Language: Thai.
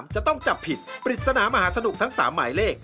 จะต้องจับผิดปริศนามหาสนุกทั้ง๓หมายเลข